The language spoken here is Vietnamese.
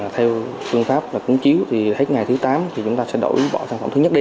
theo phương pháp cúng chiếu thì hết ngày thứ tám thì chúng ta sẽ đổi bỏ sản phẩm thứ nhất đi